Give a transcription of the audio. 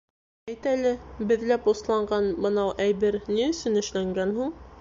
Әйт әле, беҙләп осланған бынау әйбер ни өсөн эшләнгән һуң?